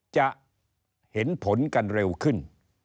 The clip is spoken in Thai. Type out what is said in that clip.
จะเห็นผลกันเร็วขึ้น